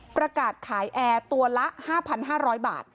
ประกาศขายแอร์ตัวละ๕๕๐๐บาท